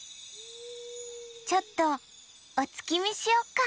ちょっとおつきみしよっか。